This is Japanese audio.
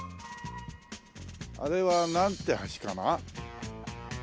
あれはなんて橋かな？